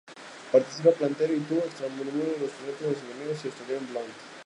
Participan Platero y Tú, Extremoduro, Los Planetas, Los Enemigos y Australian Blonde.